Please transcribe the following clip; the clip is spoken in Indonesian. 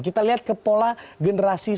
kita lihat ke pola generasi